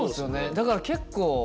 だから結構。